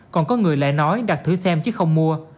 còn có người lại nói đặt thử xem chứ không mua